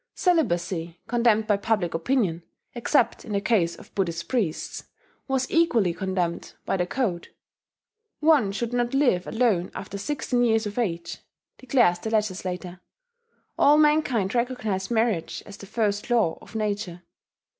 Celibacy, condemned by public opinion, except in the case of Buddhist priests, was equally condemned by the code. "One should not live alone after sixteen years of age," declares the legislator; "all mankind recognize marriage as the first law of nature."